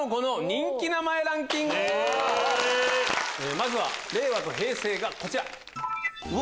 まずは令和と平成がこちら。